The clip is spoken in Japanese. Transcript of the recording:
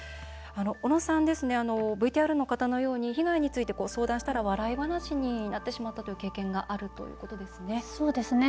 おのさん、ＶＴＲの方のように被害について相談したら笑い話になってしまったという経験があるということですね。